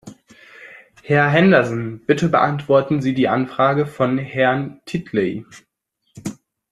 Herr Henderson, bitte beantworten Sie die Anfrage von Herrn Titley.